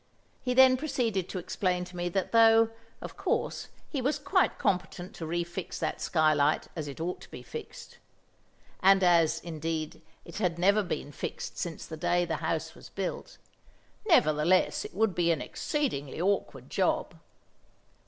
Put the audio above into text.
He then proceeded to explain to me that though, of course, he was quite competent to refix that skylight as it ought to be fixed (and as, indeed, it never had been fixed since the day the house was built), nevertheless it would be an exceedingly awkward job.